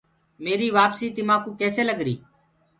ميري وآپسي تمآڪوُ ڪيسي لگر۔